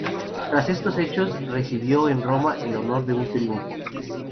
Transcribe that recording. Tras estos hechos recibió en Roma el honor de un triunfo.